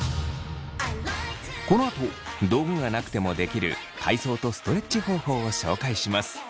このあと道具がなくてもできる体操とストレッチ方法を紹介します。